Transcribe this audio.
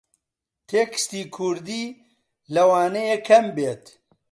تێکستی کووردی لەوانەیە کەم بێت